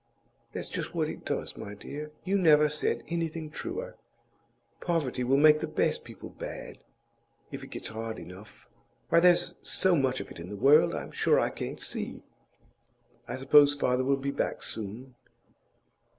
'That's just what it does, my dear; you never said anything truer. Poverty will make the best people bad, if it gets hard enough. Why there's so much of it in the world, I'm sure I can't see.' 'I suppose father will be back soon?